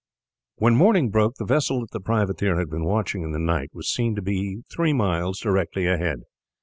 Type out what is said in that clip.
When morning broke the vessel that the privateer had been watching in the night was seen to be three miles directly ahead.